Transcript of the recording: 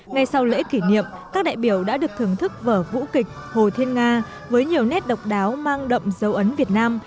ngay sau lễ kỷ niệm các đại biểu đã được thưởng thức vở vũ kịch hồ thiên nga với nhiều nét độc đáo mang đậm dấu ấn việt nam